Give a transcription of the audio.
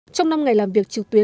trong năm ngày làm việc trực tuyến